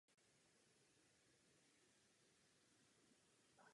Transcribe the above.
Dochází k uvolnění moči a stolice.